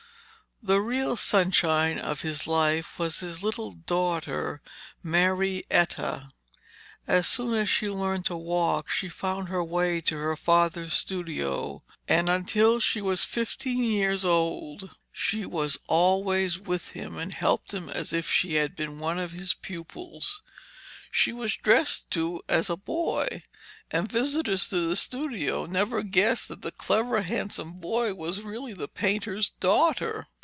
But the real sunshine of his life was his little daughter Marietta. As soon as she learned to walk she found her way to her father's studio, and until she was fifteen years old she was always with him and helped him as if she had been one of his pupils. She was dressed too as a boy, and visitors to the studio never guessed that the clever, handsome boy was really the painter's daughter.